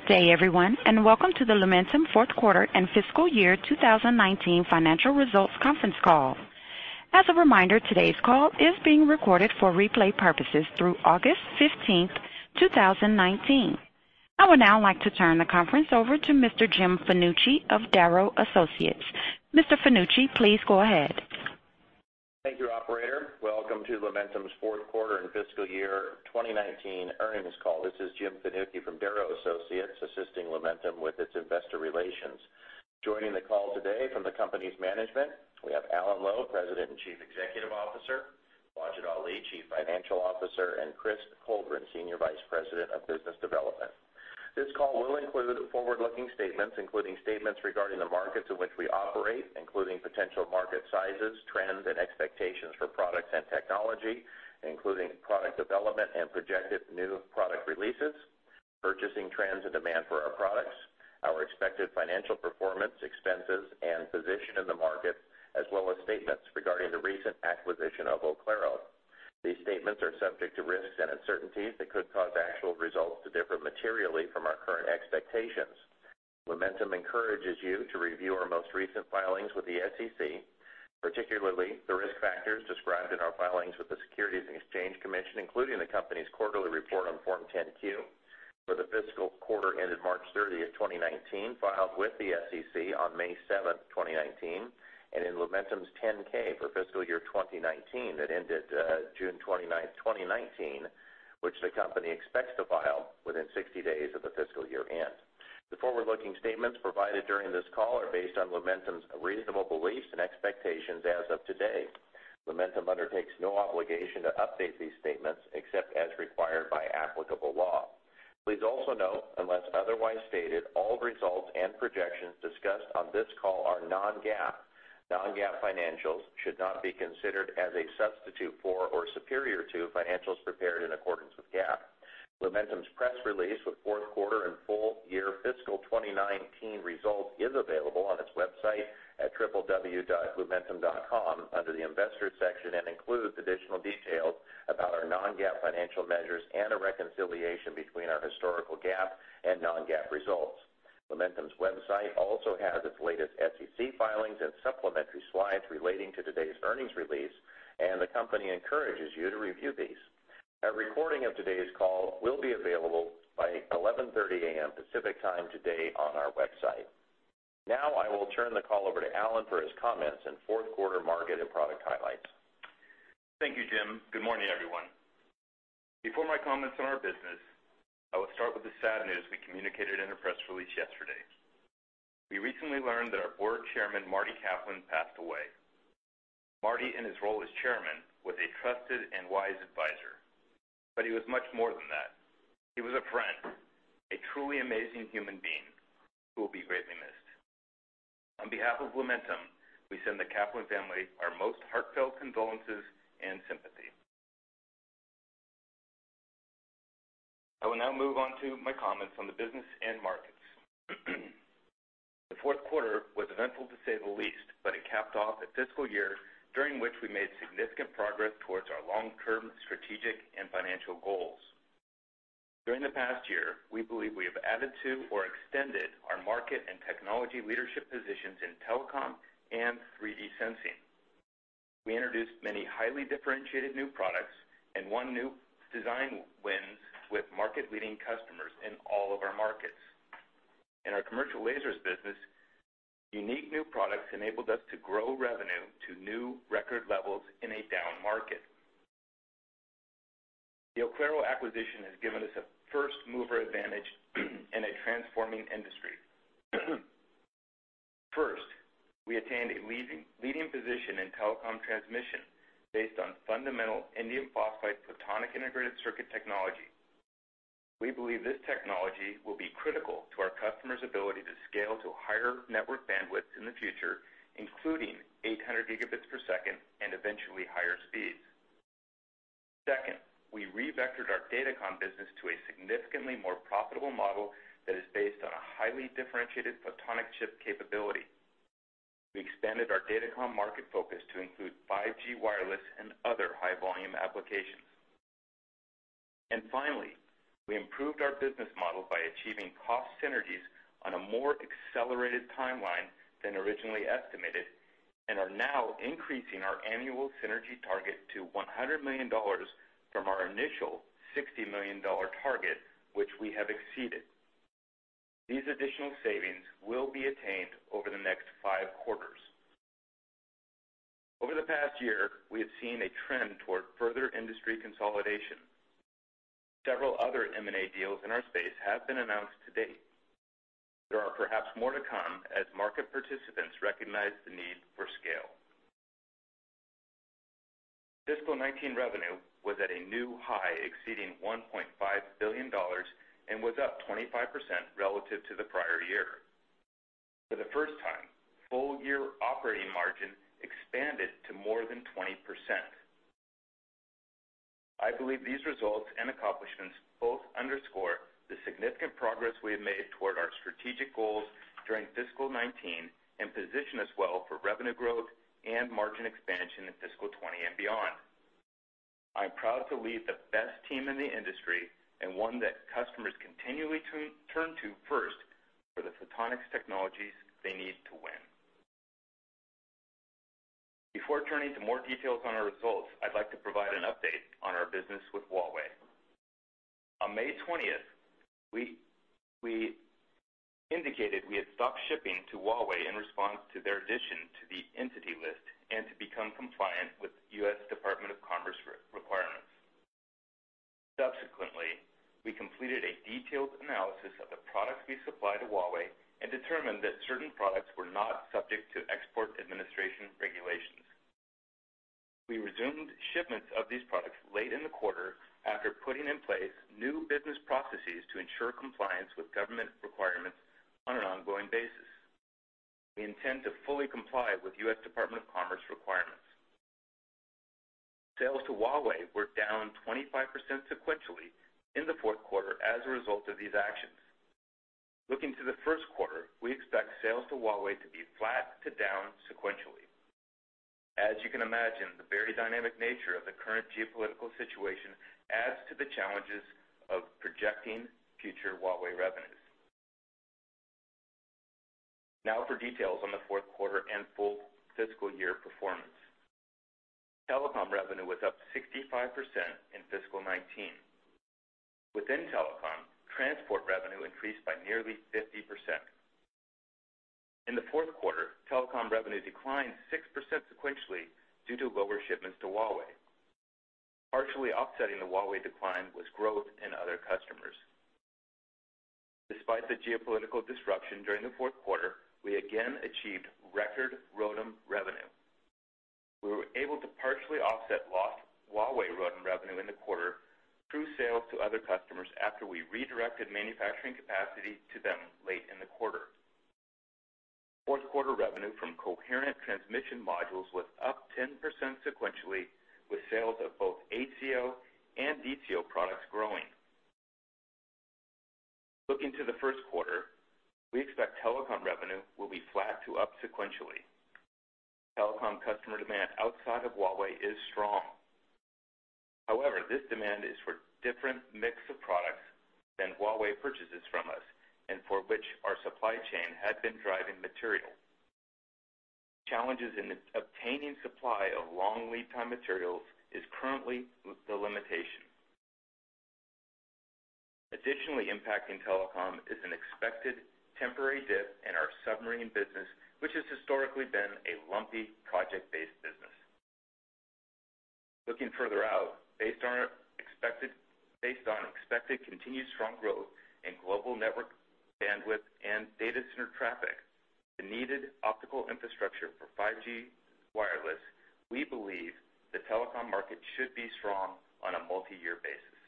Good day everyone, welcome to the Lumentum fourth quarter and fiscal year 2019 financial results conference call. As a reminder, today's call is being recorded for replay purposes through August 15th, 2019. I would now like to turn the conference over to Mr. Jim Fanucchi of Darrow Associates. Mr. Fanucchi, please go ahead. Thank you, operator. Welcome to Lumentum's fourth quarter and fiscal year 2019 earnings call. This is Jim Fanucchi from Darrow Associates, assisting Lumentum with its Investor Relations. Joining the call today from the company's management, we have Alan Lowe, President and Chief Executive Officer, Wajid Ali, Chief Financial Officer, and Chris Coldren, Senior Vice President of Business Development. This call will include forward-looking statements, including statements regarding the markets in which we operate, including potential market sizes, trends, and expectations for products and technology, including product development and projected new product releases, purchasing trends, and demand for our products, our expected financial performance, expenses, and position in the market, as well as statements regarding the recent acquisition of Oclaro. These statements are subject to risks and uncertainties that could cause actual results to differ materially from our current expectations. Lumentum encourages you to review our most recent filings with the SEC, particularly the risk factors described in our filings with the Securities and Exchange Commission, including the company's quarterly report on Form 10-Q for the fiscal quarter ended March 30, 2019, filed with the SEC on May 7, 2019, and in Lumentum's 10K for fiscal year 2019 that ended June 29, 2019, which the company expects to file within 60 days of the fiscal year-end. The forward-looking statements provided during this call are based on Lumentum's reasonable beliefs and expectations as of today. Lumentum undertakes no obligation to update these statements except as required by applicable law. Please also note, unless otherwise stated, all results and projections discussed on this call are non-GAAP. Non-GAAP financials should not be considered as a substitute for or superior to financials prepared in accordance with GAAP. Lumentum's press release with fourth quarter and full year fiscal 2019 results is available on its website at www.lumentum.com under the Investors section and includes additional details about our non-GAAP financial measures and a reconciliation between our historical GAAP and non-GAAP results. Lumentum's website also has its latest SEC filings and supplementary slides relating to today's earnings release. The company encourages you to review these. A recording of today's call will be available by 11:30 AM Pacific Time today on our website. Now, I will turn the call over to Alan for his comments and fourth quarter market and product highlights. Thank you, Jim. Good morning, everyone. Before my comments on our business, I will start with the sad news we communicated in a press release yesterday. We recently learned that our board chairman, Marty Kaplan, passed away. Marty, in his role as chairman, was a trusted and wise advisor, but he was much more than that. He was a friend, a truly amazing human being who will be greatly missed. On behalf of Lumentum, we send the Kaplan family our most heartfelt condolences and sympathy. I will now move on to my comments on the business and markets. The fourth quarter was eventful, to say the least, but it capped off a fiscal year during which we made significant progress towards our long-term strategic and financial goals. During the past year, we believe we have added to or extended our market and technology leadership positions in telecom and 3D sensing. We introduced many highly differentiated new products and won new design wins with market-leading customers in all of our markets. In our commercial lasers business, unique new products enabled us to grow revenue to new record levels in a down market. The Oclaro acquisition has given us a first-mover advantage in a transforming industry. First, we attained a leading position in telecom transmission based on fundamental indium phosphide photonic integrated circuit technology. We believe this technology will be critical to our customers' ability to scale to higher network bandwidth in the future, including 800 gigabits per second and eventually higher speeds. Second, we re-vectored our datacom business to a significantly more profitable model that is based on a highly differentiated photonic chip capability. We expanded our datacom market focus to include 5G wireless and other high-volume applications. Finally, we improved our business model by achieving cost synergies on a more accelerated timeline than originally estimated and are now increasing our annual synergy target to $100 million from our initial $60 million target, which we have exceeded. These additional savings will be attained over the next 5 quarters. Over the past year, we have seen a trend toward further industry consolidation. Several other M&A deals in our space have been announced to date. There are perhaps more to come as market participants recognize the need for scale. Fiscal 19 revenue was at a new high, exceeding $1.5 billion, and was up 25% relative to the prior year. For the first time, full-year operating margin expanded to more than 20%. I believe these results and accomplishments both underscore the significant progress we have made toward our strategic goals during fiscal 2019 and position us well for revenue growth and margin expansion in fiscal 2020 and beyond. I'm proud to lead the best team in the industry and one that customers continually turn to first for the photonics technologies they need to win. Before turning to more details on our results, I'd like to provide an update on our business with Huawei. On May 20th, we indicated we had stopped shipping to Huawei in response to their addition to the Entity List and to become compliant with U.S. Department of Commerce requirements. Subsequently, we completed a detailed analysis of the products we supply to Huawei and determined that certain products were not subject to Export Administration Regulations. We resumed shipments of these products late in the quarter after putting in place new business processes to ensure compliance with government requirements on an ongoing basis. We intend to fully comply with U.S. Department of Commerce requirements. Sales to Huawei were down 25% sequentially in the fourth quarter as a result of these actions. Looking to the first quarter, we expect sales to Huawei to be flat to down sequentially. As you can imagine, the very dynamic nature of the current geopolitical situation adds to the challenges of projecting future Huawei revenues. Now for details on the fourth quarter and full fiscal year performance. Telecom revenue was up 65% in fiscal 2019. Within telecom, transport revenue increased by nearly 50%. In the fourth quarter, telecom revenue declined 6% sequentially due to lower shipments to Huawei. Partially offsetting the Huawei decline was growth in other customers. Despite the geopolitical disruption during the fourth quarter, we again achieved record ROADM revenue. We were able to partially offset lost Huawei ROADM revenue in the quarter through sales to other customers after we redirected manufacturing capacity to them late in the quarter. Fourth quarter revenue from coherent transmission modules was up 10% sequentially, with sales of both ACO and DCO products growing. Looking to the first quarter, we expect telecom revenue will be flat to up sequentially. Telecom customer demand outside of Huawei is strong. This demand is for different mix of products than Huawei purchases from us, and for which our supply chain had been driving material. Challenges in obtaining supply of long lead time materials is currently the limitation. Additionally impacting telecom is an expected temporary dip in our submarine business, which has historically been a lumpy project-based business. Looking further out, based on expected continued strong growth in global network bandwidth and data center traffic, the needed optical infrastructure for 5G wireless, we believe the telecom market should be strong on a multi-year basis.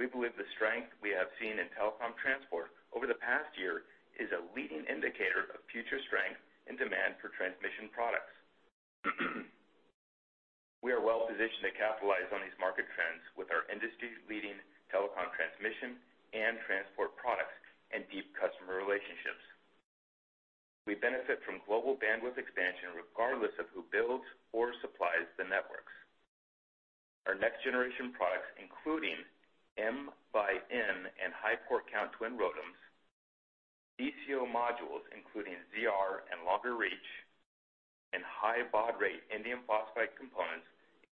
We believe the strength we have seen in telecom transport over the past year is a leading indicator of future strength and demand for transmission products. We are well positioned to capitalize on these market trends with our industry-leading telecom transmission and transport products and deep customer relationships. We benefit from global bandwidth expansion regardless of who builds or supplies the networks. Our next generation products, including MxN and high port count twin ROADMs, DCO modules, including ZR and longer reach, and high baud rate indium phosphide components,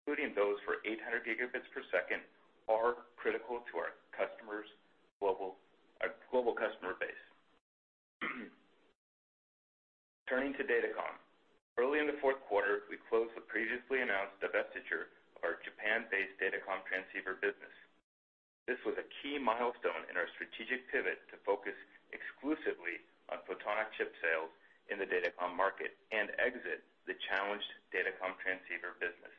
including those for 800 gigabits per second, are critical to our global customer base. Turning to Datacom. Early in the fourth quarter, we closed the previously announced divestiture of our Japan-based Datacom transceiver business. This was a key milestone in our strategic pivot to focus exclusively on photonic chip sales in the Datacom market and exit the challenged Datacom transceiver business.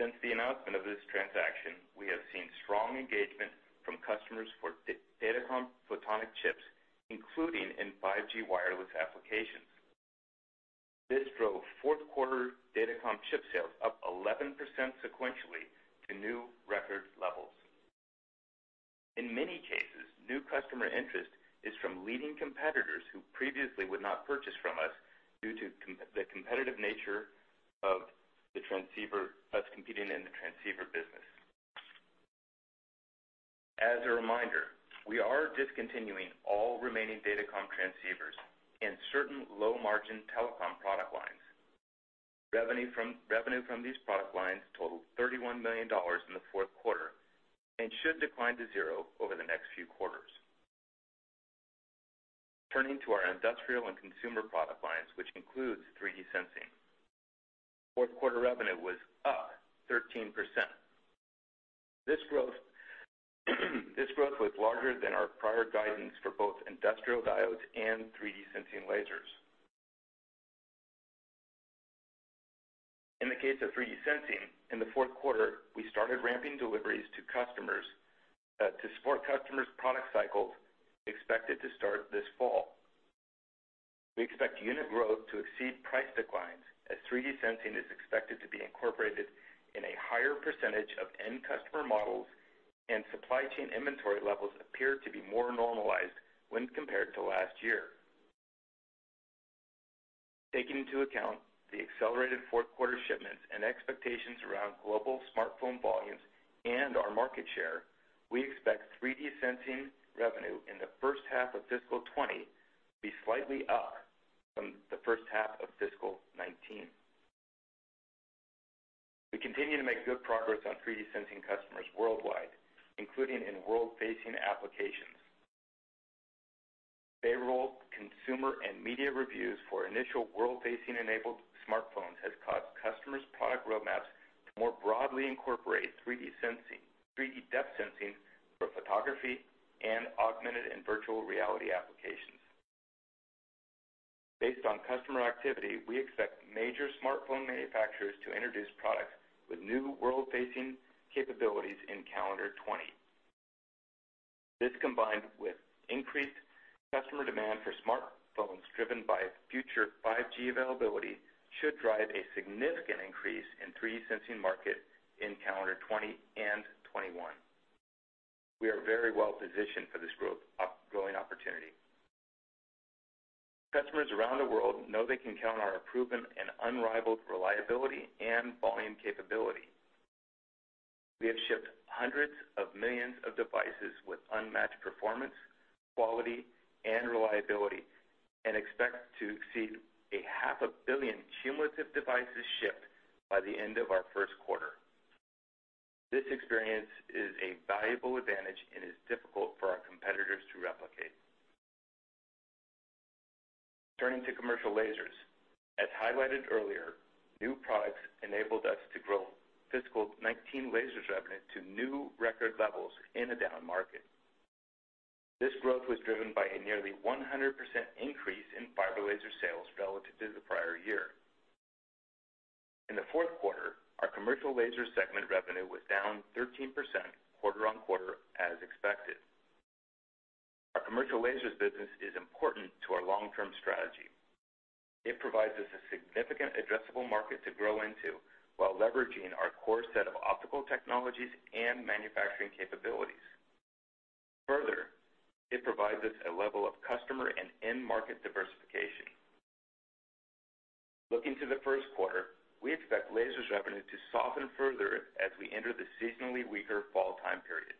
Since the announcement of this transaction, we have seen strong engagement from customers for Datacom photonic chips, including in 5G wireless applications. This drove fourth quarter Datacom chip sales up 11% sequentially to new record levels. In many cases, new customer interest is from leading competitors who previously would not purchase from us due to the competitive nature of us competing in the transceiver business. As a reminder, we are discontinuing all remaining Datacom transceivers and certain low-margin telecom product lines. Revenue from these product lines totaled $31 million in the fourth quarter and should decline to zero over the next few quarters. Turning to our industrial and consumer product lines, which includes 3D sensing. Fourth quarter revenue was up 13%. This growth was larger than our prior guidance for both industrial diodes and 3D sensing lasers. In the case of 3D sensing, in the fourth quarter, we started ramping deliveries to support customers' product cycles expected to start this fall. We expect unit growth to exceed price declines as 3D sensing is expected to be incorporated in a higher percentage of end customer models, and supply chain inventory levels appear to be more normalized when compared to last year. Taking into account the accelerated fourth-quarter shipments and expectations around global smartphone volumes and our market share, we expect 3D sensing revenue in the first half of fiscal 2020 to be slightly up from the first half of fiscal 2019. We continue to make good progress on 3D sensing customers worldwide, including in world-facing applications. Favorable consumer and media reviews for initial world-facing enabled smartphones has caused customers' product roadmaps to more broadly incorporate 3D sensing for photography and augmented and virtual reality applications. Based on customer activity, we expect major smartphone manufacturers to introduce products with new world-facing capabilities in calendar 2020. This combined with increased customer demand for smartphones driven by future 5G availability should drive a significant increase in 3D sensing market in calendar 2020 and 2021. We are very well positioned for this growing opportunity. Customers around the world know they can count on our proven and unrivaled reliability and volume capability. We have shipped hundreds of millions of devices with unmatched performance, quality, and reliability, and expect to exceed a half a billion cumulative devices shipped by the end of our first quarter. This experience is a valuable advantage and is difficult for our competitors to replicate. Turning to commercial lasers. As highlighted earlier, new products enabled us to grow fiscal 2019 lasers revenue to new record levels in a down market. This growth was driven by a nearly 100% increase in fiber laser sales relative to the prior year. In the fourth quarter, our commercial laser segment revenue was down 13% quarter-over-quarter as expected. Our commercial lasers business is important to our long-term strategy. It provides us a significant addressable market to grow into while leveraging our core set of optical technologies and manufacturing capabilities. Further, it provides us a level of customer and end-market diversification. Looking to the first quarter, we expect lasers revenue to soften further as we enter the seasonally weaker fall time period.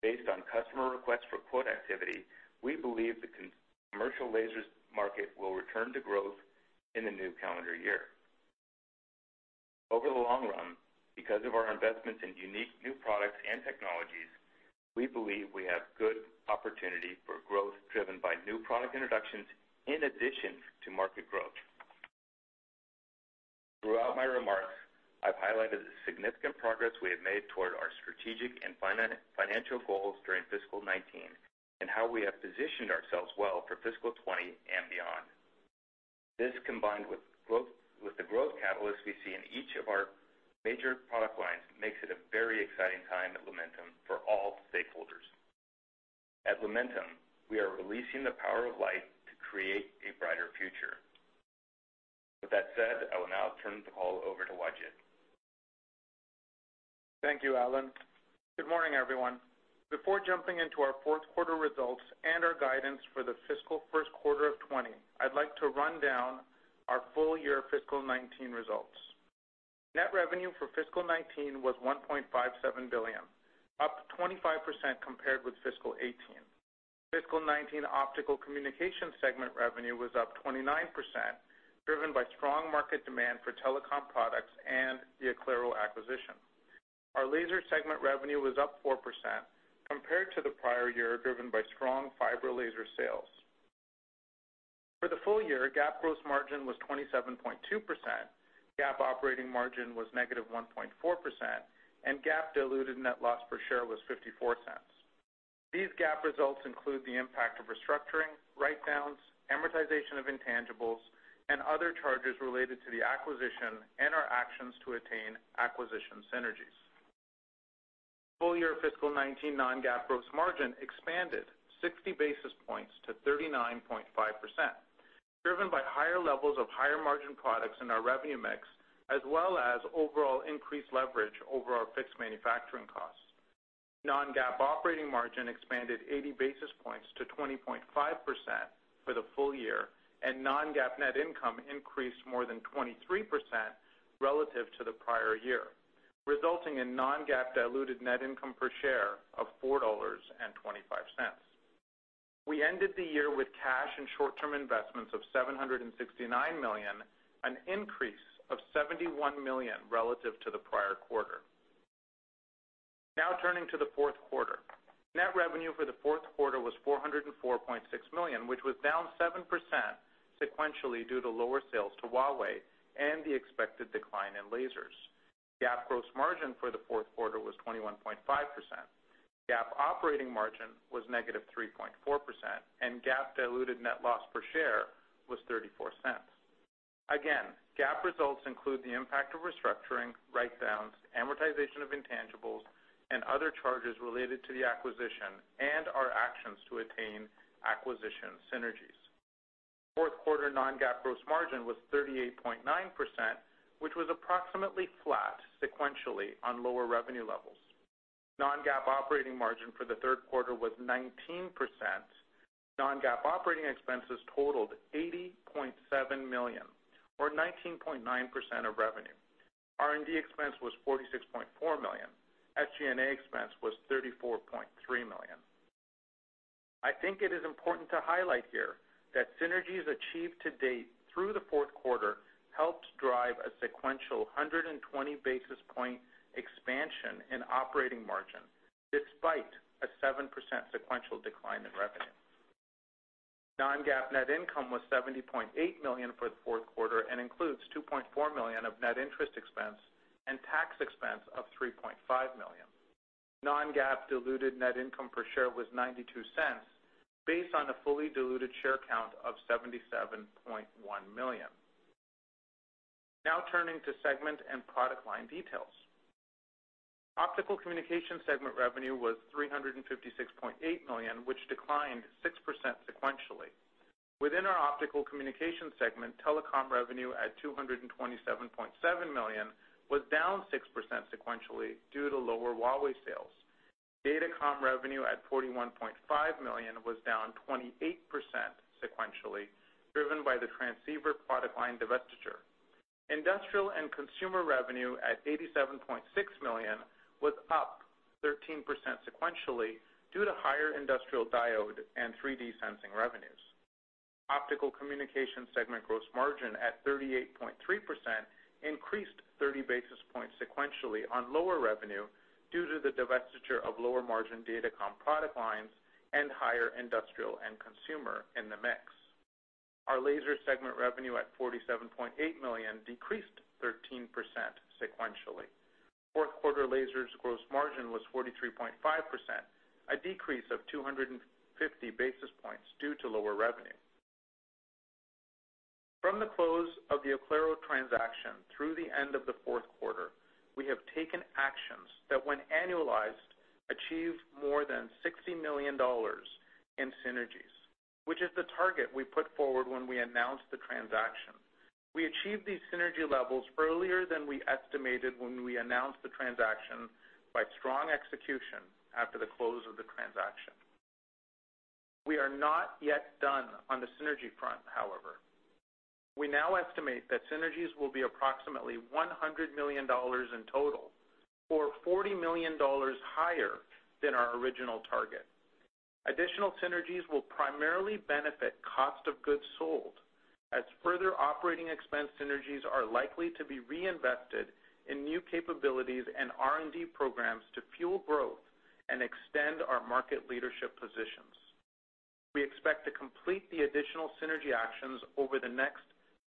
However, based on customer requests for quote activity, we believe the commercial lasers market will return to growth in the new calendar year. Over the long run, because of our investments in unique new products and technologies, we believe we have good opportunity for growth driven by new product introductions in addition to market growth. Throughout my remarks, I've highlighted the significant progress we have made toward our strategic and financial goals during fiscal 2019, and how we have positioned ourselves well for fiscal 2020 and beyond. This combined with the growth catalyst we see in each of our major product lines, makes it a very exciting time at Lumentum for all stakeholders. At Lumentum, we are releasing the power of light to create a brighter future. With that said, I will now turn the call over to Wajid. Thank you, Alan. Good morning, everyone. Before jumping into our fourth quarter results and our guidance for the fiscal first quarter of 2020, I'd like to run down our full year fiscal 2019 results. Net revenue for fiscal 2019 was $1.57 billion, up 25% compared with fiscal 2018. Fiscal 2019 optical communication segment revenue was up 29%, driven by strong market demand for telecom products and the Oclaro acquisition. Our laser segment revenue was up 4% compared to the prior year, driven by strong fiber laser sales. For the full year, GAAP gross margin was 27.2%, GAAP operating margin was negative 1.4%, and GAAP diluted net loss per share was $0.54. These GAAP results include the impact of restructuring, write-downs, amortization of intangibles, and other charges related to the acquisition and our actions to attain acquisition synergies. Full year fiscal 2019 non-GAAP gross margin expanded 60 basis points to 39.5%, driven by higher levels of higher margin products in our revenue mix, as well as overall increased leverage over our fixed manufacturing costs. Non-GAAP operating margin expanded 80 basis points to 20.5% for the full year, and non-GAAP net income increased more than 23% relative to the prior year, resulting in non-GAAP diluted net income per share of $4.25. We ended the year with cash and short-term investments of $769 million, an increase of $71 million relative to the prior quarter. Now turning to the fourth quarter. Net revenue for the fourth quarter was $404.6 million, which was down 7% sequentially due to lower sales to Huawei and the expected decline in lasers. GAAP gross margin for the fourth quarter was 21.5%. GAAP operating margin was negative 3.4%, and GAAP diluted net loss per share was $0.34. Again, GAAP results include the impact of restructuring, write-downs, amortization of intangibles, and other charges related to the acquisition and our actions to attain acquisition synergies. Fourth quarter non-GAAP gross margin was 38.9%, which was approximately flat sequentially on lower revenue levels. Non-GAAP operating margin for the third quarter was 19%. Non-GAAP operating expenses totaled $80.7 million or 19.9% of revenue. R&D expense was $46.4 million. SG&A expense was $34.3 million. I think it is important to highlight here that synergies achieved to date through the fourth quarter helps drive a sequential 120 basis point expansion in operating margin, despite a 7% sequential decline in revenue. Non-GAAP net income was $70.8 million for the fourth quarter and includes $2.4 million of net interest expense and tax expense of $3.5 million. Non-GAAP diluted net income per share was $0.92 based on a fully diluted share count of 77.1 million. Now turning to segment and product line details. Optical Communication segment revenue was $356.8 million, which declined 6% sequentially. Within our Optical Communication segment, Telecom revenue at $227.7 million was down 6% sequentially due to lower Huawei sales. Datacom revenue at $41.5 million was down 28% sequentially, driven by the transceiver product line divestiture. Industrial and Consumer revenue at $87.6 million was up 13% sequentially due to higher industrial diode and 3D sensing revenues. Optical Communication segment gross margin at 38.3% increased 30 basis points sequentially on lower revenue due to the divestiture of lower margin Datacom product lines and higher Industrial and Consumer in the mix. Our Laser segment revenue at $47.8 million decreased 13% sequentially. Fourth quarter lasers gross margin was 43.5%, a decrease of 250 basis points due to lower revenue. From the close of the Oclaro transaction through the end of the fourth quarter, we have taken actions that when annualized, achieve more than $60 million in synergies, which is the target we put forward when we announced the transaction. We achieved these synergy levels earlier than we estimated when we announced the transaction by strong execution after the close of the transaction. We are not yet done on the synergy front, however. We now estimate that synergies will be approximately $100 million in total, or $40 million higher than our original target. Additional synergies will primarily benefit cost of goods sold as further operating expense synergies are likely to be reinvested in new capabilities and R&D programs to fuel growth and extend our market leadership positions. We expect to complete the additional synergy actions over the next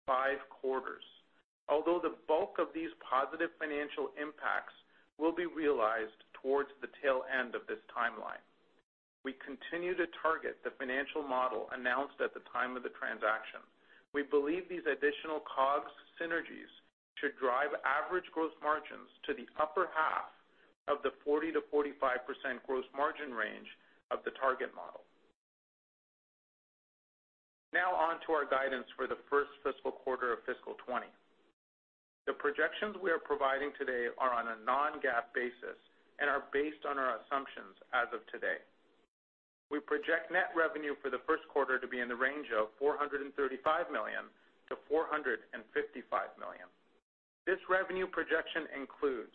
five quarters. Although the bulk of these positive financial impacts will be realized towards the tail end of this timeline. We continue to target the financial model announced at the time of the transaction. We believe these additional COGS synergies should drive average gross margins to the upper half of the 40%-45% gross margin range of the target model. Now on to our guidance for the first fiscal quarter of fiscal 2020. The projections we are providing today are on a non-GAAP basis and are based on our assumptions as of today. We project net revenue for the first quarter to be in the range of $435 million-$455 million. This revenue projection includes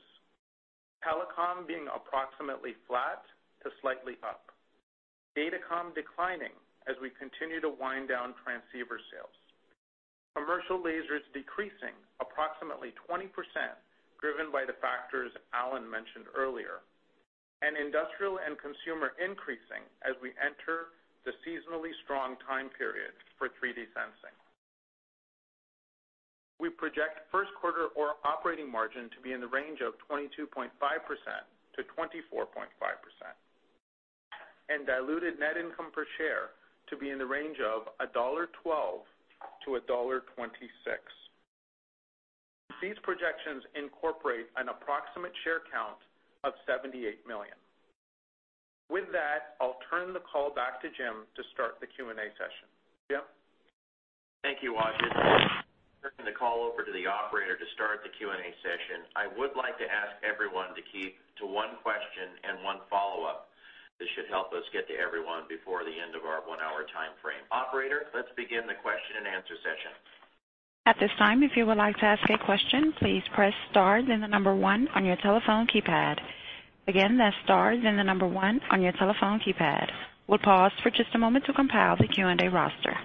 telecom being approximately flat to slightly up, Datacom declining as we continue to wind down transceiver sales, commercial lasers decreasing approximately 20% driven by the factors Alan mentioned earlier, and industrial and consumer increasing as we enter the seasonally strong time period for 3D sensing. We project first quarter operating margin to be in the range of 22.5%-24.5% and diluted net income per share to be in the range of $1.12-$1.26. These projections incorporate an approximate share count of 78 million. With that, I'll turn the call back to Jim to start the Q&A session. Jim? Thank you, Wajid. Turning the call over to the operator to start the Q&A session. I would like to ask everyone to keep to one question and one follow-up. This should help us get to everyone before the end of our one-hour timeframe. Operator, let's begin the question and answer session. At this time, if you would like to ask a question, please press star then the number 1 on your telephone keypad. Again, that's star then the number 1 on your telephone keypad. We'll pause for just a moment to compile the Q&A roster.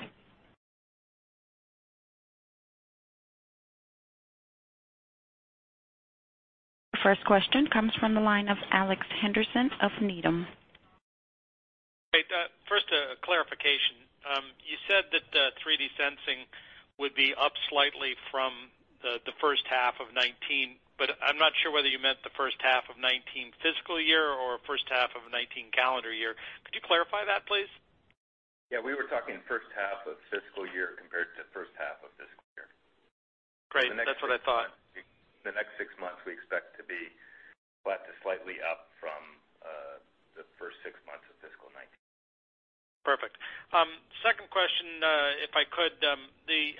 The first question comes from the line of Alex Henderson of Needham. Great. First, a clarification. You said that 3D sensing would be up slightly from the first half of 2019, but I'm not sure whether you meant the first half of 2019 fiscal year or first half of 2019 calendar year. Could you clarify that, please? Yeah, we were talking first half of fiscal year compared to first half of this quarter. Great. That's what I thought. The next six months we expect to be flat to slightly up from. Perfect. Second question, if I could, the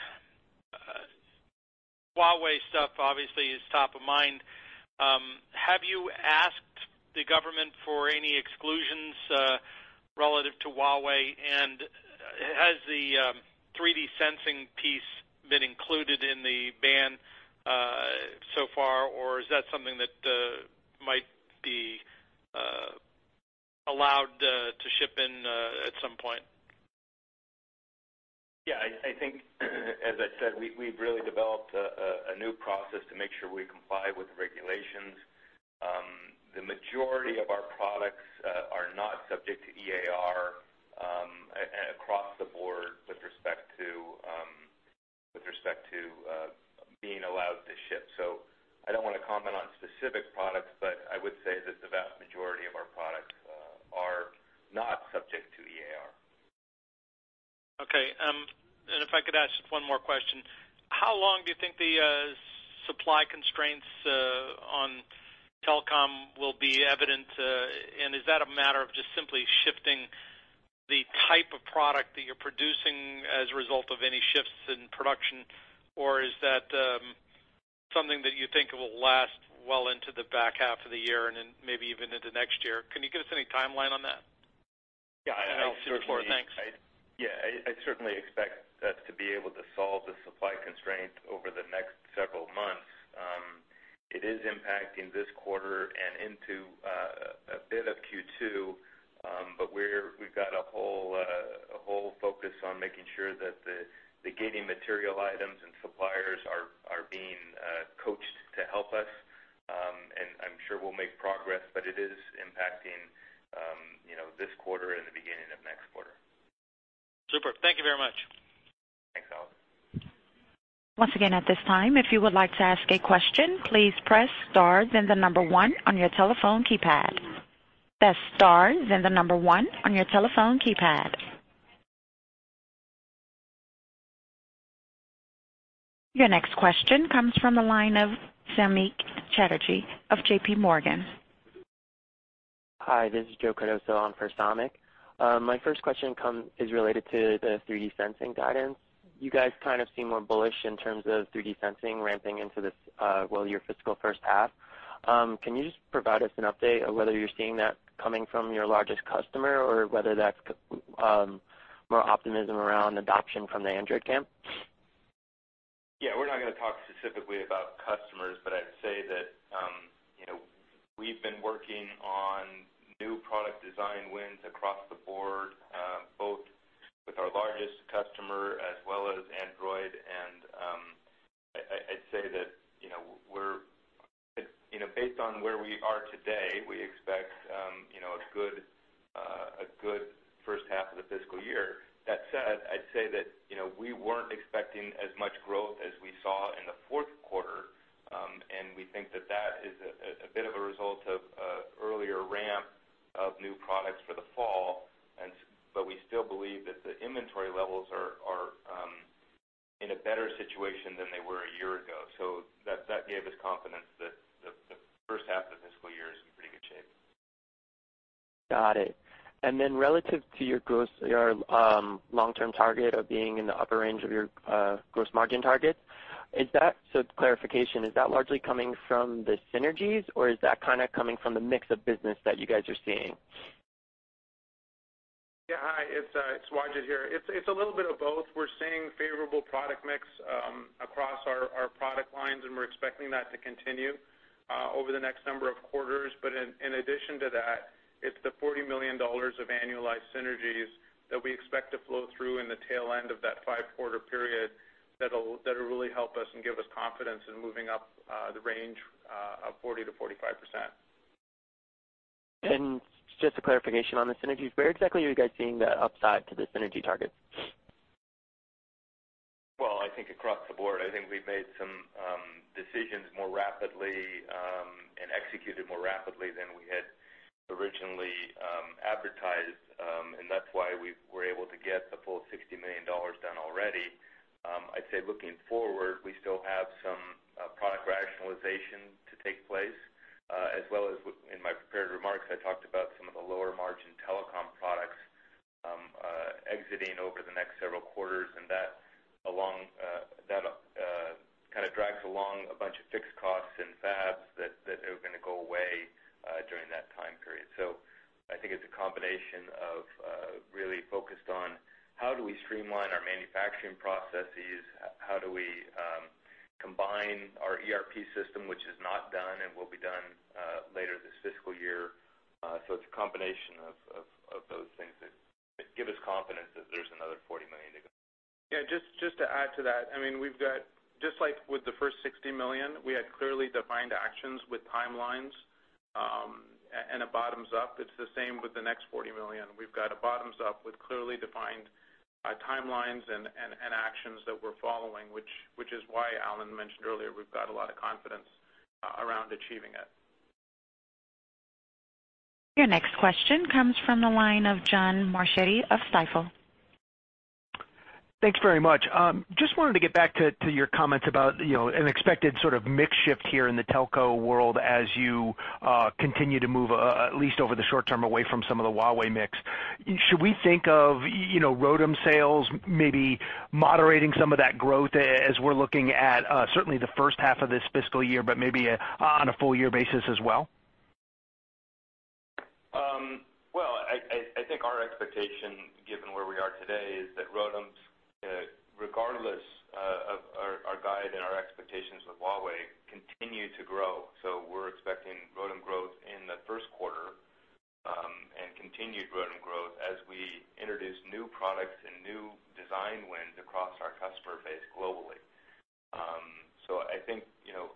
Huawei stuff obviously is top of mind. Have you asked the government for any exclusions relative to Huawei? Has the 3D sensing piece been included in the ban so far, or is that something that might be allowed to ship in at some point? Yeah, I think, as I said, we've really developed a new process to make sure we comply with the regulations. The majority of our products are not subject to EAR across the board with respect to being allowed to ship. I don't want to comment on specific products, but I would say that the vast majority of our products are not subject to EAR. Okay. If I could ask just one more question, how long do you think the supply constraints on telecom will be evident? Is that a matter of just simply shifting the type of product that you're producing as a result of any shifts in production, or is that something that you think will last well into the back half of the year and then maybe even into next year? Can you give us any timeline on that? Yeah. I'll yield the floor. Thanks. Yeah, I certainly expect us to be able to solve the supply constraint over the next several months. It is impacting this quarter and into a bit of Q2. We've got a whole focus on making sure that the gating material items and suppliers are being coached to help us. I'm sure we'll make progress, but it is impacting this quarter and the beginning of next quarter. Superb. Thank you very much. Thanks, Alex. Once again, at this time, if you would like to ask a question, please press star then the number 1 on your telephone keypad. That's star then the number 1 on your telephone keypad. Your next question comes from the line of Sameek Chatterjee of JPMorgan. Hi, this is Joseph Cardoso on for Samik. My first question is related to the 3D sensing guidance. You guys seem more bullish in terms of 3D sensing ramping into this, well, your fiscal first half. Can you just provide us an update of whether you're seeing that coming from your largest customer or whether that's more optimism around adoption from the Android camp? We're not going to talk specifically about customers, but I'd say that we've been working on new product design wins across the board, both with our largest customer as well as Android. I'd say that based on where we are today, we expect a good first half of the fiscal year. That said, I'd say that we weren't expecting as much growth as we saw in the fourth quarter, and we think that that is a bit of a result of earlier ramp of new products for the fall, but we still believe that the inventory levels are in a better situation than they were a year ago. That gave us confidence that the first half of the fiscal year is in pretty good shape. Got it. Relative to your long-term target of being in the upper range of your gross margin target, clarification, is that largely coming from the synergies, or is that coming from the mix of business that you guys are seeing? Yeah. Hi, it's Wajid here. It's a little bit of both. We're seeing favorable product mix across our product lines, and we're expecting that to continue over the next number of quarters. In addition to that, it's the $40 million of annualized synergies that we expect to flow through in the tail end of that five-quarter period that'll really help us and give us confidence in moving up the range of 40%-45%. Just a clarification on the synergies, where exactly are you guys seeing the upside to the synergy targets? I think across the board. I think we've made some decisions more rapidly and executed more rapidly than we had originally advertised, and that's why we were able to get the full $60 million done already. I'd say looking forward, we still have some product rationalization to take place, as well as in my prepared remarks, I talked about some of the lower margin telecom products exiting over the next several quarters, and that drags along a bunch of fixed costs and fabs that are going to go away during that time period. I think it's a combination of really focused on how do we streamline our manufacturing processes, how do we combine our ERP system, which is not done and will be done later this fiscal year. It's a combination of those things that give us confidence that there's another $40 million to go. Yeah, just to add to that, just like with the first $60 million, we had clearly defined actions with timelines, and it bottoms up. It's the same with the next $40 million. We've got a bottoms up with clearly defined timelines and actions that we're following, which is why Alan mentioned earlier we've got a lot of confidence around achieving it. Your next question comes from the line of John Marchetti of Stifel. Thanks very much. Just wanted to get back to your comments about an expected sort of mix shift here in the telco world as you continue to move, at least over the short term, away from some of the Huawei mix. Should we think of ROADM sales maybe moderating some of that growth as we're looking at certainly the first half of this fiscal year, but maybe on a full year basis as well? I think our expectation, given where we are today, is that ROADMs, regardless of our guide and our expectations with Huawei, continue to grow. We're expecting ROADM growth in the first quarter and continued ROADM growth as we introduce new products and new design wins across our customer base globally. I think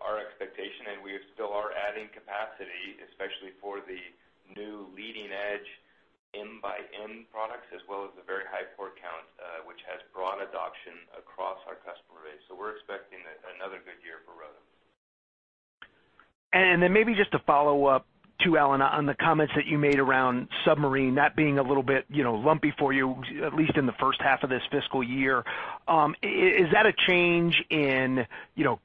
our expectation, and we still are adding capacity, especially for the new leading edge M x N products, as well as the very high port count, which has broad adoption across our customer base. We're expecting another good year for ROADMs. Maybe just to follow up, too, Alan, on the comments that you made around submarine, that being a little bit lumpy for you, at least in the first half of this fiscal year. Is that a change in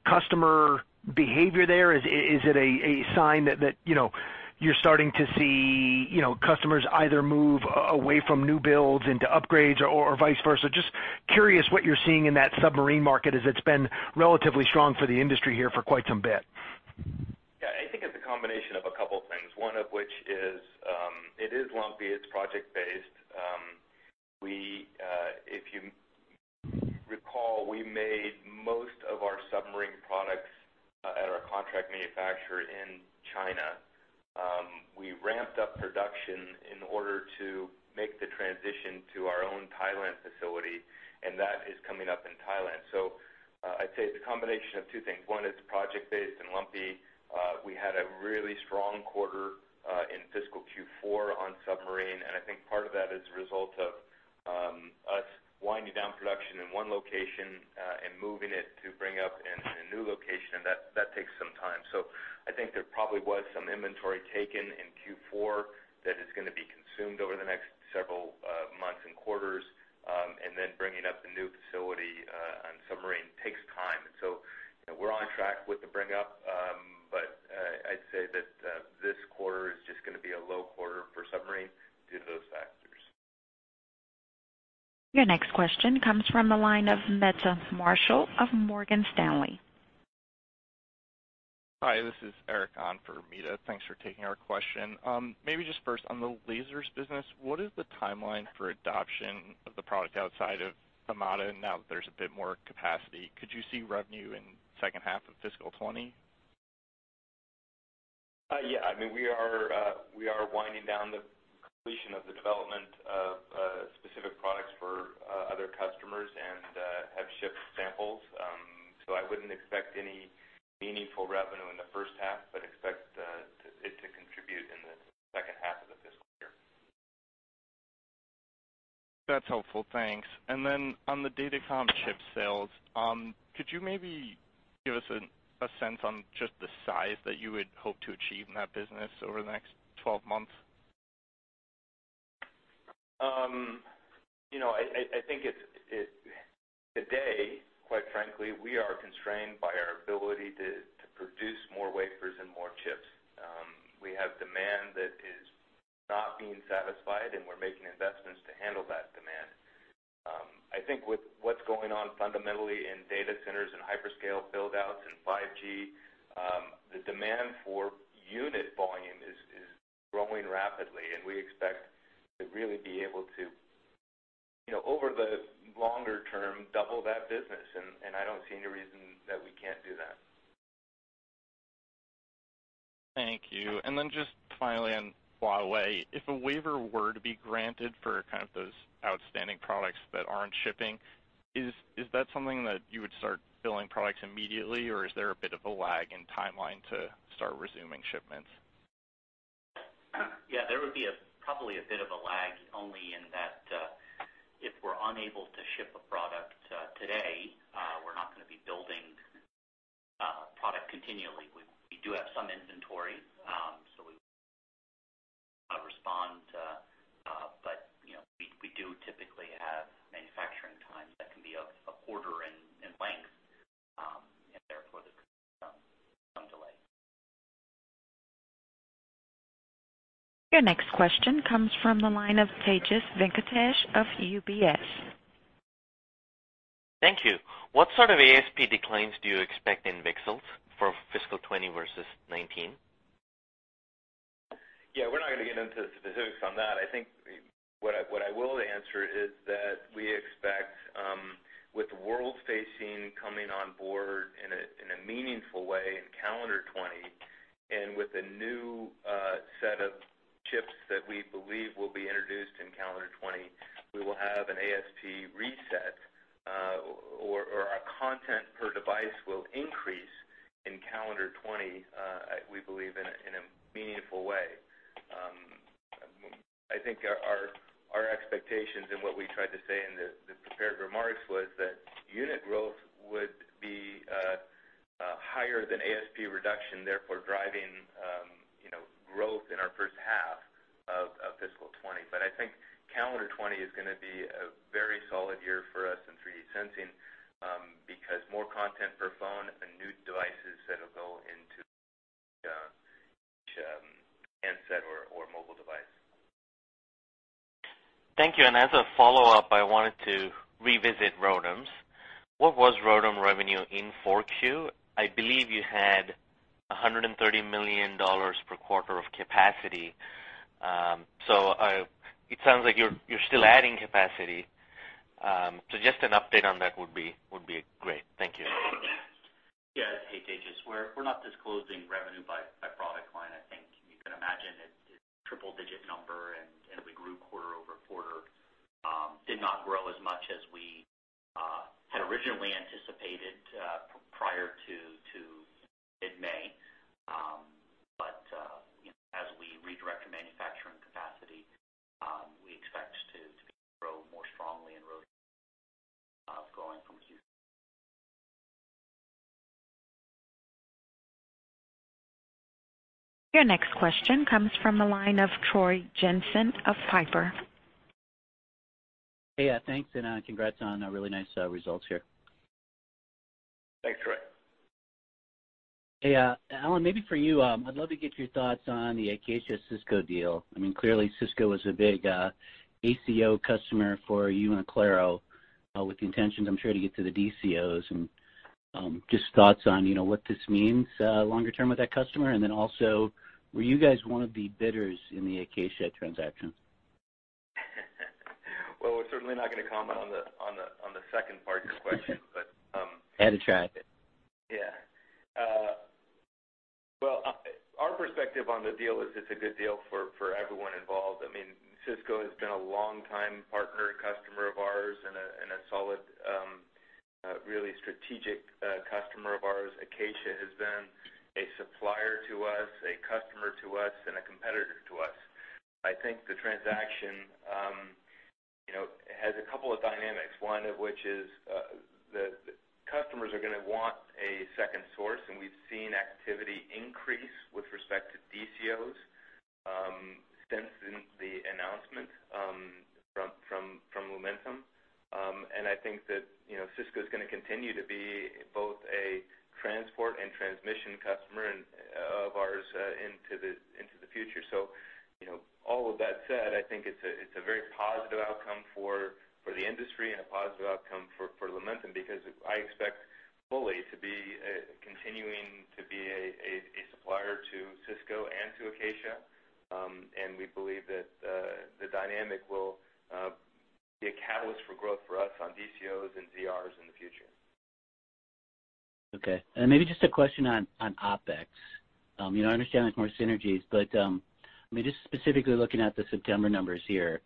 customer behavior there? Is it a sign that you're starting to see customers either move away from new builds into upgrades or vice versa? Just curious what you're seeing in that submarine market as it's been relatively strong for the industry here for quite some bit. Yeah, I think it's a combination of a couple things, one of which is, it is lumpy. It's project based. If you recall, we made most of our submarine products at our contract manufacturer in China. We ramped up production in order to make the transition to our own Thailand facility, and that is coming up in Thailand. I'd say it's a combination of two things. One is project based and lumpy. We had a really strong quarter in fiscal Q4 on submarine, and I think part of that is a result of us winding down production in one location and moving it to bring up in a new location, and that takes some time. I think there probably was some inventory taken in Q4 that is going to be consumed over the next several months and quarters, and then bringing up the new facility on submarine takes time. We're on track with the bring up, but I'd say that this quarter is just going to be a low quarter for submarine due to those factors. Your next question comes from the line of Meta Marshall of Morgan Stanley. Hi, this is Eric on for Meta. Thanks for taking our question. Just first on the lasers business, what is the timeline for adoption of the product outside of Amada now that there's a bit more capacity? Could you see revenue in second half of fiscal 2020? Yeah. We are winding down the completion of the development of specific products for other customers and have shipped samples. I wouldn't expect any meaningful revenue in the first half, but expect it to contribute in the second half of the fiscal year. That's helpful. Thanks. On the Datacom chip sales, could you maybe give us a sense on just the size that you would hope to achieve in that business over the next 12 months? I think today, quite frankly, we are constrained by our ability to produce more wafers and more chips. We have demand that is not being satisfied, and we're making investments to handle that demand. I think with what's going on fundamentally in data centers and hyperscale build-outs and 5G, the demand for unit volume is growing rapidly, and we expect to really be able to, over the longer term, double that business, and I don't see any reason that we can't do that. Thank you. Just finally on Huawei, if a waiver were to be granted for kind of those outstanding products that aren't shipping, is that something that you would start building products immediately, or is there a bit of a lag in timeline to start resuming shipments? Yeah, there would be probably a bit of a lag only in that if we're unable to ship a product today, we're not going to be building product continually. We do have some inventory, so we respond. We do typically have manufacturing times that can be a quarter in length, and therefore there could be some delay. Your next question comes from the line of Tejas Venkatesh of UBS. Thank you. What sort of ASP declines do you expect in VCSEL for fiscal 2020 versus 2019? Yeah, we're not going to get into the specifics on that. I think what I will answer is that we expect, with world-facing team coming on board in a meaningful way in calendar 2020, and with a new set of chips that we believe will be introduced in calendar 2020, we will have an ASP reset, or our content per device will increase in calendar 2020, we believe in a meaningful way. I think our expectations and what we tried to say in the prepared remarks was that unit growth would be higher than ASP reduction, therefore driving growth in our fiscal 2020. I think calendar 2020 is going to be a very solid year for us in 3D sensing, because more content per phone and new devices that'll go into each handset or mobile device. Thank you. As a follow-up, I wanted to revisit ROADMs. What was ROADM revenue in 4Q? I believe you had $130 million per quarter of capacity. It sounds like you're still adding capacity. Just an update on that would be great. Thank you. Hey, Tejas. We're not disclosing revenue by product line. I think you can imagine it's triple-digit number, and we grew quarter-over-quarter. Did not grow as much as we had originally anticipated prior to mid-May. As we redirect our manufacturing capacity, we expect to grow more strongly in ROADM going from here. Your next question comes from the line of Troy Jensen of Piper. Hey. Thanks, and congrats on really nice results here. Thanks, Troy. Hey, Alan, maybe for you, I'd love to get your thoughts on the Acacia-Cisco deal. Clearly Cisco is a big ACO customer for you and Oclaro, with intentions, I'm sure, to get to the DCOs, and just thoughts on what this means longer term with that customer. Were you guys one of the bidders in the Acacia transaction? Well, we're certainly not going to comment on the second part of your question. Had to try. Yeah. Well, our perspective on the deal is it's a good deal for everyone involved. Cisco has been a long time partner and customer of ours, a solid really strategic customer of ours. Acacia has been a supplier to us, a customer to us, a competitor to us. I think the transaction has a couple of dynamics. One of which is the customers are going to want a second source, we've seen activity increase with respect to DCOs since the announcement from Lumentum. I think that Cisco's going to continue to be both a transport and transmission customer of ours into the future. All of that said, I think it's a very positive outcome for the industry and a positive outcome for Lumentum, because I expect fully to be continuing to be a supplier to Cisco and to Acacia. We believe that the dynamic will be a catalyst for growth for us on DCOs and ZRs in the future. Okay. Maybe just a question on OpEx. I understand there's more synergies, but just specifically looking at the September numbers here,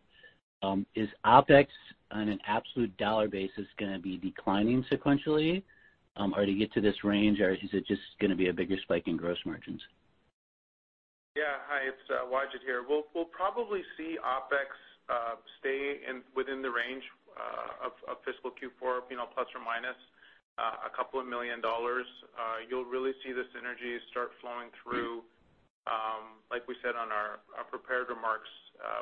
is OpEx on an absolute dollar basis going to be declining sequentially? Do you get to this range, or is it just going to be a bigger spike in gross margins? Yeah. Hi, it's Wajid here. We'll probably see OpEx stay within the range of fiscal Q4, plus or minus a couple of million USD. You'll really see the synergies start flowing through, like we said on our prepared remarks,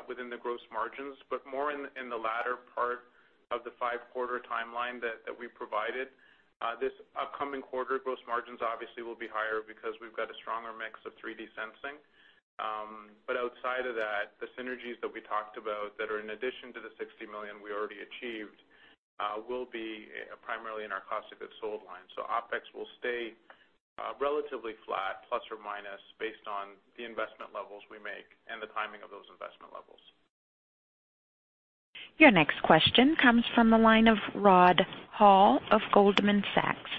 within the gross margins, but more in the latter part of the five-quarter timeline that we provided. This upcoming quarter, gross margins obviously will be higher because we've got a stronger mix of 3D sensing. Outside of that, the synergies that we talked about that are in addition to the $60 million we already achieved will be primarily in our cost of goods sold line. OpEx will stay relatively flat, plus or minus, based on the investment levels we make and the timing of those investment levels. Your next question comes from the line of Rod Hall of Goldman Sachs.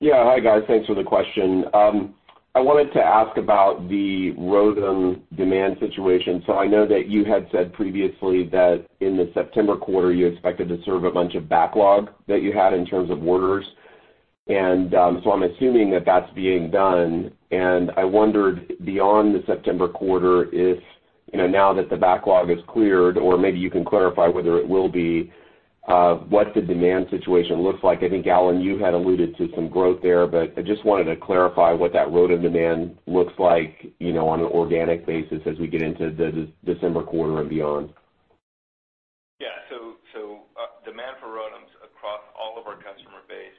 Yeah. Hi, guys. Thanks for the question. I wanted to ask about the ROADM demand situation. I know that you had said previously that in the September quarter, you expected to serve a bunch of backlog that you had in terms of orders. I'm assuming that that's being done, and I wondered, beyond the September quarter, if now that the backlog is cleared, or maybe you can clarify whether it will be, what the demand situation looks like. I think, Alan, you had alluded to some growth there, but I just wanted to clarify what that ROADM demand looks like on an organic basis as we get into the December quarter and beyond. Yeah. Demand for ROADMs across all of our customer base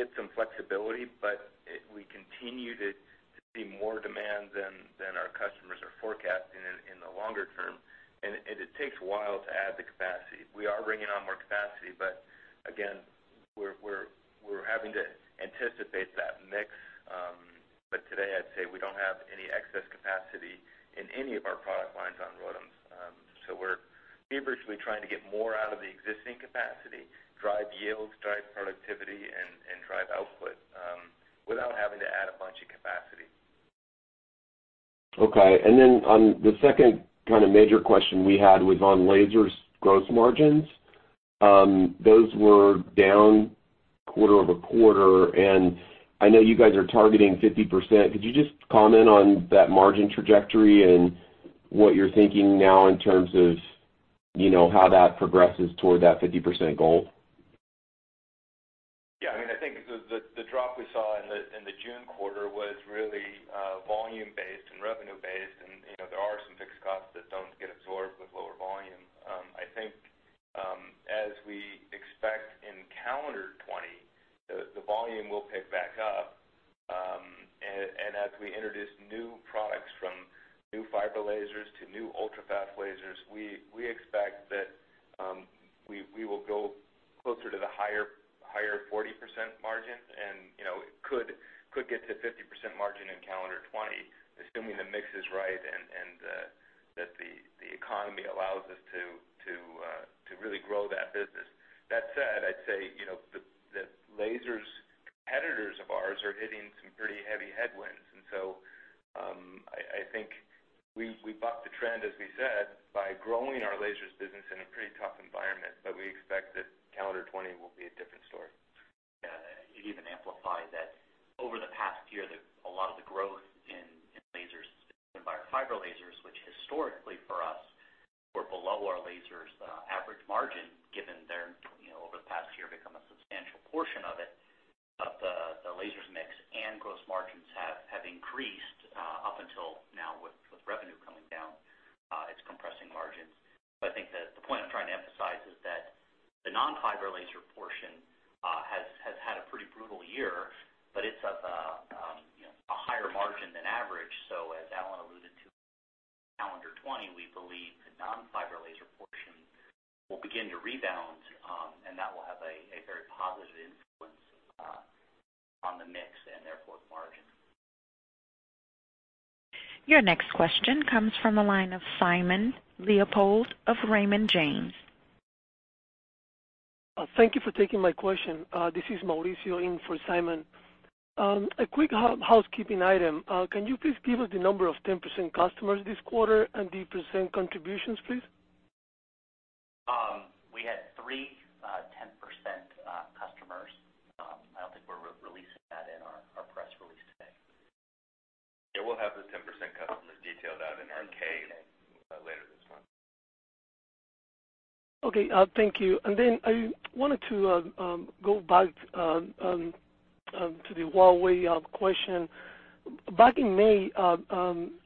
Well, I think, again, it's going to be based on the mix we get. As we continue to be working with our customers across the globe on new designs for the high capacity and contention-less and direction-less ROADMs, we believe that those will continue to be constrained for some period of time until we bring on additional new capacity. We're trying to tighten the capacity to get some flexibility, but we continue to see more demand than our customers are forecasting in the longer term, and it takes a while to add the capacity. We are bringing on more capacity, but again, we're having to anticipate that mix. Today I'd say we don't have any excess capacity in any of our product lines on ROADMs. We're feverishly trying to get more out of the existing capacity, drive yields, drive productivity, and drive output, without having to add a bunch of capacity. Okay, on the second kind of major question we had was on lasers gross margins. Those were down quarter-over-quarter, I know you guys are targeting 50%. Could you just comment on that margin trajectory and what you're thinking now in terms of how that progresses toward that 50% goal? Yeah, I think the drop we saw in the June quarter was really volume-based and revenue-based. There are some fixed costs that don't get absorbed with lower volume. I think, as we expect in calendar 2020, the volume will pick back up. As we introduce new products from new fiber lasers to new ultrafast lasers, we expect that we will go closer to the higher 40% margin and it could get to 50% margin in calendar 2020, assuming the mix is right and that the economy allows us to really grow that business. That said, I'd say the lasers competitors of ours are hitting some pretty heavy headwinds, and so I think we bucked the trend, as we said, by growing our lasers business in a pretty tough environment. We expect that calendar 2020 will be a different story. You even amplify that over the past year, a lot of the growth in lasers has been by our fiber lasers, which historically for us were below our lasers average margin, given they're, over the past year, become a substantial portion of it. The lasers mix and gross margins have increased up until now with revenue coming down. It's compressing margins. I think the point I'm trying to emphasize is that the non-fiber laser portion has had a pretty brutal year, but it's at a higher margin than average. As Alan alluded to, calendar 2020, we believe the non-fiber laser portion will begin to rebound, and that will have a very positive influence on the mix and therefore the margin. Your next question comes from the line of Simon Leopold of Raymond James. Thank you for taking my question. This is Mauricio in for Simon. A quick housekeeping item. Can you please give us the number of 10% customers this quarter and the % contributions, please? We had three 10% customers. I don't think we're releasing that in our press release today. Yeah, we'll have the 10% customers detailed out in our K later this month. Okay, thank you. I wanted to go back to the Huawei question. Back in May,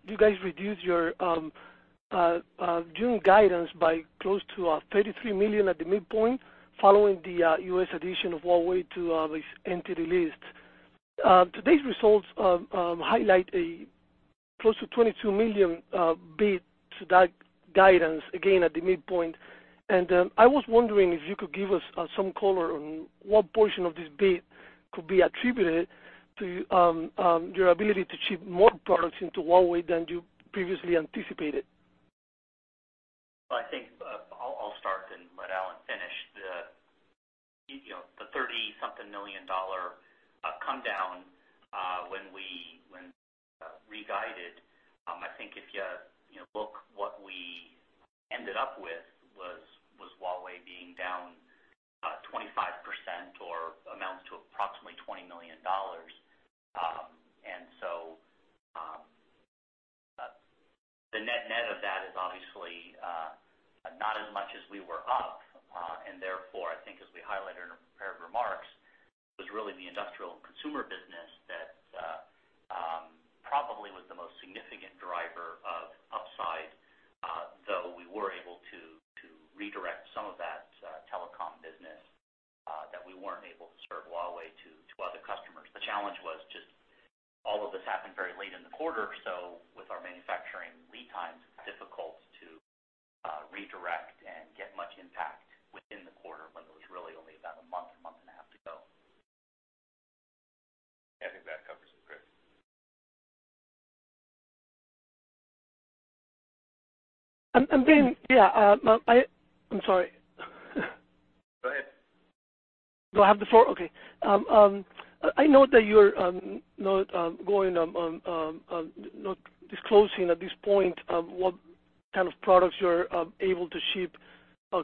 you guys reduced your June guidance by close to $33 million at the midpoint following the U.S. addition of Huawei to the Entity List. Today's results highlight a close to $22 million bid to that guidance, again, at the midpoint. I was wondering if you could give us some color on what portion of this bid could be attributed to your ability to ship more products into Huawei than you previously anticipated. I think I'll start then let Alan finish. The $30-something million come down when we re-guided, I think if you look what we ended up with was Huawei being down 25% or amounts to approximately $20 million. The net of that is obviously not as much as we were up. I think as we highlighted in our prepared remarks, it was really the industrial and consumer business that probably was the most significant driver of upside, though we were able to redirect some of that telecom business that we weren't able to serve Huawei to Very late in the quarter, with our manufacturing lead times, it's difficult to redirect and get much impact within the quarter when there was really only about a month, a month and a half to go. I think that covers it, Chris. Yeah. I'm sorry. Go ahead. Do I have the floor? Okay. I know that you're not disclosing at this point what kind of products you're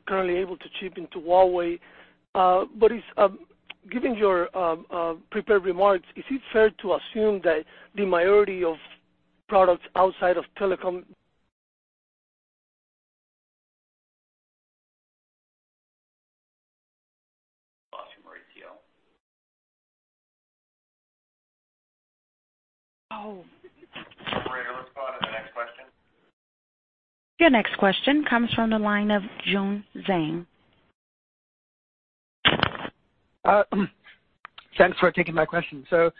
currently able to ship into Huawei. Given your prepared remarks, is it fair to assume that the majority of products outside of telecom- Bosch from ATL. Oh. Operator, let's go on to the next question. Your next question comes from the line of June Zhang. Thanks for taking my question. Do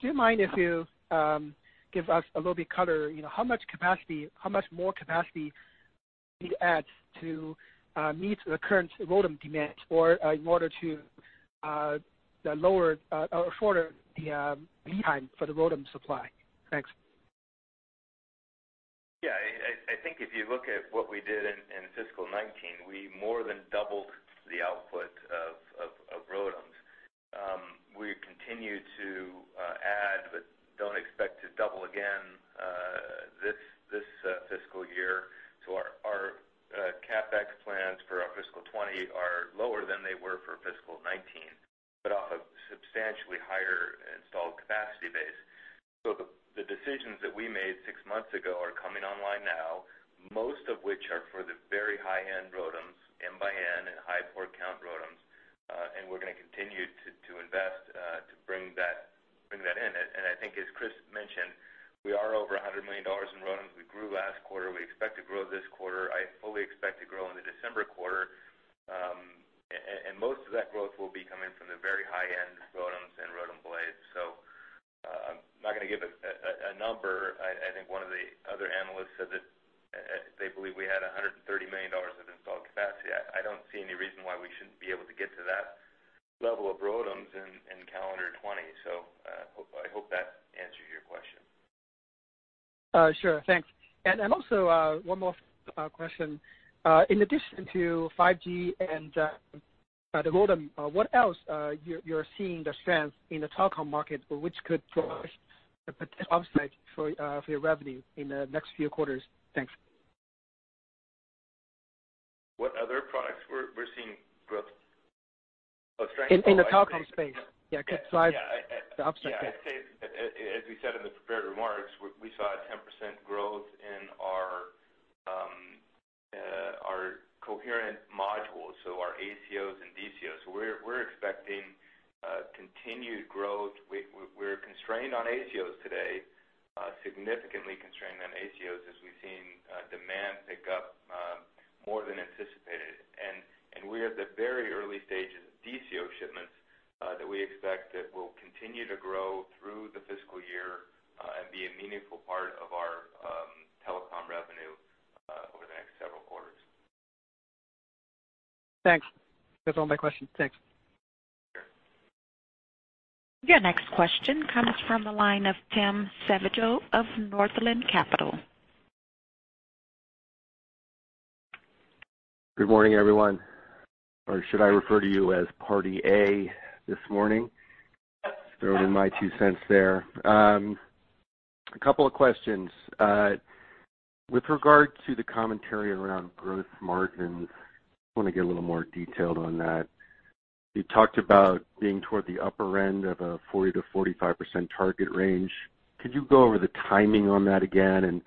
you mind if you give us a little bit color, how much more capacity need to add to meet the current ROADM demand or in order to shorter the lead time for the ROADM supply? Thanks. I think if you look at what we did in fiscal 2019, we more than doubled the output of ROADMs. We continue to add, but don't expect to double again this fiscal year. Our CapEx plans for our fiscal 2020 are lower than they were for fiscal 2019, but off of substantially higher installed capacity base. The decisions that we made six months ago are coming online now, most of which are for the very high-end ROADMs, N x N and high port count ROADMs. We're going to continue to invest to bring that in. I think as Chris mentioned, we are over $100 million in ROADMs. We grew last quarter, we expect to grow this quarter. I fully expect to grow in the December quarter. Most of that growth will be coming from the very high-end ROADMs and ROADM blades. I'm not going to give a number. I think one of the other analysts said that they believe we had $130 million of installed capacity. I don't see any reason why we shouldn't be able to get to that level of ROADMs in calendar 2020. I hope that answers your question. Sure. Thanks. Also, one more question. In addition to 5G and the ROADM, what else you're seeing the strength in the telecom market or which could drive the potential upside for your revenue in the next few quarters? Thanks. What other products we're seeing growth or strength? In the telecom space, yeah, could drive the upside. I'd say, as we said in the prepared remarks, we saw a 10% growth in our coherent modules, so our ACOs and DCOs. We're expecting continued growth. We're constrained on ACOs today, significantly constrained on ACOs as we've seen demand pick up more than anticipated. We're at the very early stages of DCO shipments that we expect that will continue to grow through the fiscal year and be a meaningful part of our telecom revenue over the next several quarters. Thanks. That's all my questions. Thanks. Sure. Your next question comes from the line of Tim Savageaux of Northland Capital. Good morning, everyone. Or should I refer to you as party A this morning? Throwing in my two cents there. A couple of questions. With regard to the commentary around gross margins, I want to get a little more detailed on that. You talked about being toward the upper end of a 40%-45% target range. Could you go over the timing on that again?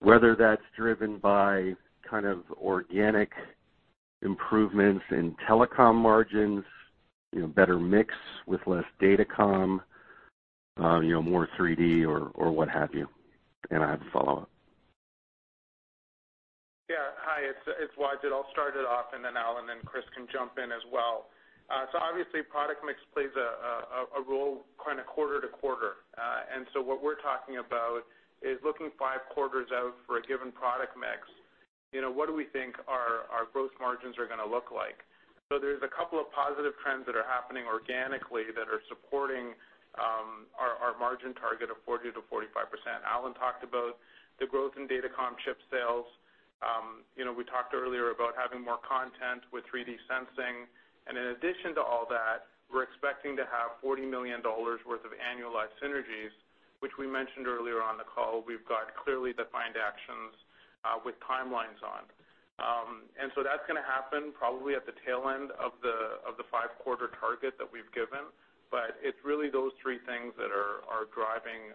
Whether that's driven by kind of organic improvements in telecom margins, better mix with less datacom, more 3D or what have you. I have a follow-up. Yeah. Hi, it's Wajid. I'll start it off, and then Alan and Chris can jump in as well. Obviously, product mix plays a role kind of quarter to quarter. What we're talking about is looking five quarters out for a given product mix, what do we think our growth margins are going to look like? There's a couple of positive trends that are happening organically that are supporting our margin target of 40%-45%. Alan talked about the growth in datacom chip sales. We talked earlier about having more content with 3D sensing. In addition to all that, we're expecting to have $40 million worth of annualized synergies, which we mentioned earlier on the call. We've got clearly defined actions with timelines on. That's going to happen probably at the tail end of the five-quarter target that we've given. It's really those three things that are driving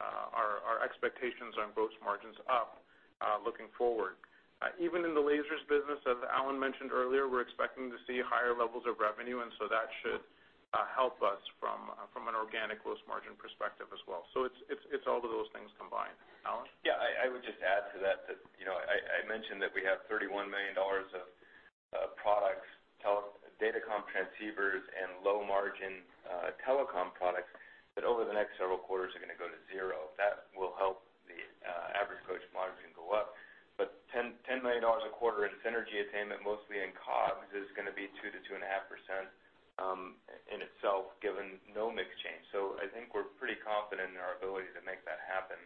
our expectations on gross margins up looking forward. Even in the lasers business, as Alan mentioned earlier, we're expecting to see higher levels of revenue, and so that should help us from an organic gross margin perspective as well. It's all of those things combined. Alan? I would just add to that, I mentioned that we have $31 million of products, datacom transceivers, and low margin telecom products that over the next several quarters are going to go to zero. That will help the average gross margin go up. $10 million a quarter in synergy attainment, mostly in COGS, is going to be 2%-2.5% in itself given no mix change. I think we're pretty confident in our ability to make that happen.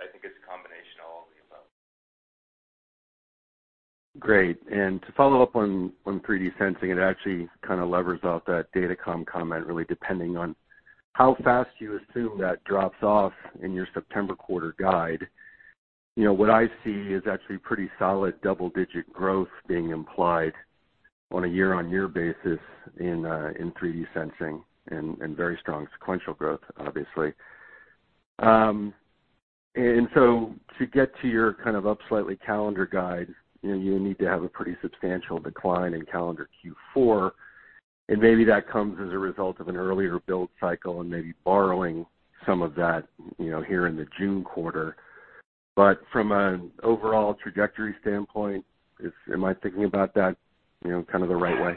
I think it's a combination of all of the above. Great. To follow up on 3D sensing, it actually kind of levers out that datacom comment, really, depending on how fast you assume that drops off in your September quarter guide. What I see is actually pretty solid double-digit growth being implied on a year-on-year basis in 3D sensing and very strong sequential growth, obviously. To get to your up slightly calendar guide, you need to have a pretty substantial decline in calendar Q4, and maybe that comes as a result of an earlier build cycle and maybe borrowing some of that here in the June quarter. From an overall trajectory standpoint, am I thinking about that the right way?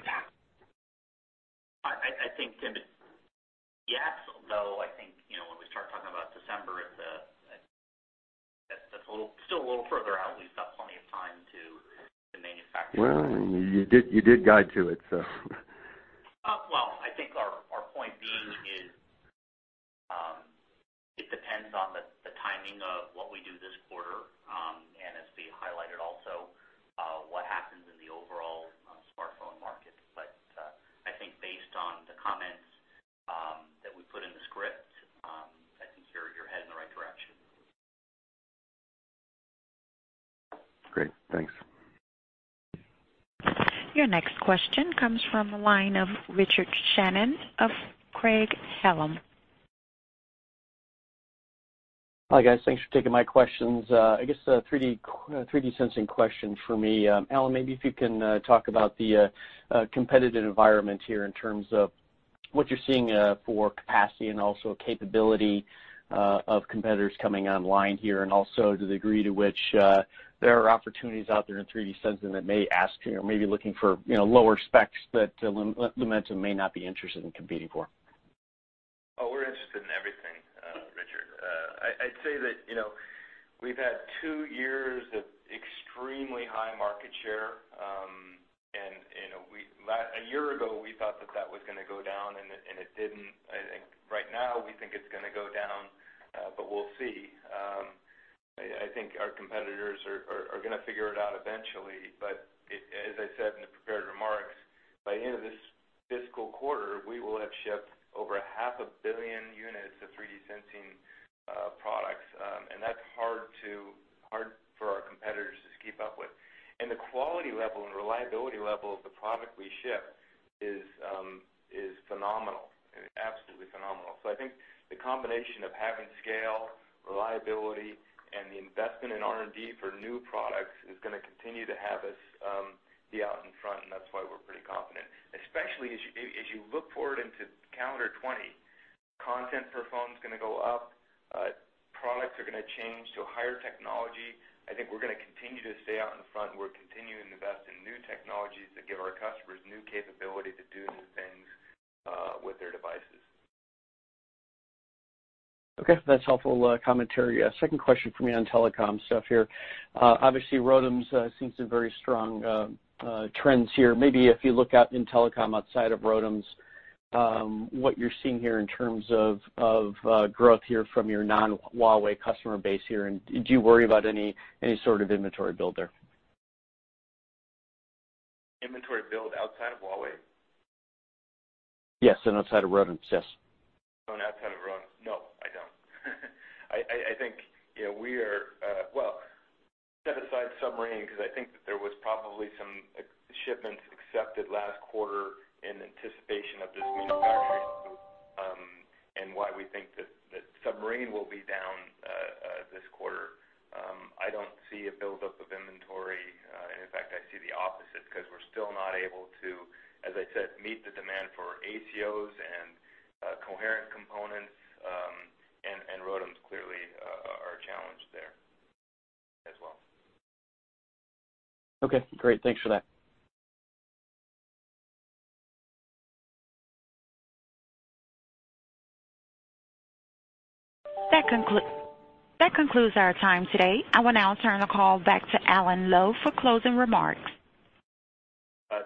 I think yes. I think, when we start talking about December, that's still a little further out. We've got plenty of time to manufacture. Well, you did guide to it. I think our point being is, it depends on the timing of what we do this quarter, and as we highlighted also, what happens in the overall smartphone market. I think based on the comments that we put in the script, I think you're headed in the right direction. Great. Thanks. Your next question comes from the line of Richard Shannon of Craig-Hallum. Hi, guys. Thanks for taking my questions. I guess a 3D sensing question for me. Alan, maybe if you can talk about the competitive environment here in terms of what you're seeing for capacity and also capability of competitors coming online here, and also the degree to which there are opportunities out there in 3D sensing that may ask, or may be looking for lower specs that Lumentum may not be interested in competing for. We're interested in everything, Richard. I'd say that we've had two years of extremely high market share. A year ago we thought that that was going to go down and it didn't. I think right now we think it's going to go down, but we'll see. I think our competitors are going to figure it out eventually. As I said in the prepared remarks, by the end of this fiscal quarter, we will have shipped over a half a billion units of 3D sensing products. That's hard for our competitors to keep up with. The quality level and reliability level of the product we ship is phenomenal. Absolutely phenomenal. I think the combination of having scale, reliability, and the investment in R&D for new products is going to continue to have us be out in front, and that's why we're pretty confident. Especially as you look forward into calendar 2020, content per phone's going to go up, products are going to change to higher technology. I think we're going to continue to stay out in front, and we're continuing to invest in new technologies that give our customers new capability to do new things with their devices. Okay, that's helpful commentary. Second question from me on telecom stuff here. Obviously, ROADMs seen some very strong trends here. Maybe if you look out in telecom outside of ROADMs, what you're seeing here in terms of growth here from your non-Huawei customer base here, and do you worry about any sort of inventory build there? Inventory build outside of Huawei? Yes, outside of ROADMs, yes. Outside of ROADMs? No, I don't. Set aside submarine, because I think that there was probably some shipments accepted last quarter in anticipation of just manufacturing and why we think that submarine will be down this quarter. In fact, I see the opposite, because we're still not able to, as I said, meet the demand for ACOs and coherent components, and ROADMs clearly are a challenge there as well. Okay, great. Thanks for that. That concludes our time today. I will now turn the call back to Alan Lowe for closing remarks.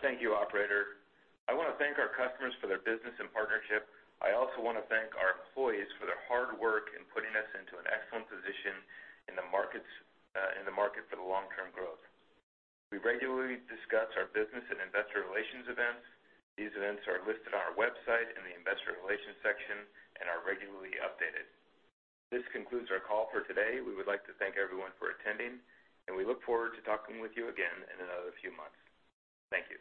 Thank you, operator. I want to thank our customers for their business and partnership. I also want to thank our employees for their hard work in putting us into an excellent position in the market for the long-term growth. We regularly discuss our business and investor relations events. These events are listed on our website in the investor relations section and are regularly updated. This concludes our call for today. We would like to thank everyone for attending, and we look forward to talking with you again in another few months. Thank you.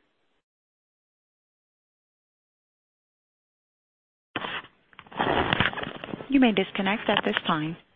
You may disconnect at this time.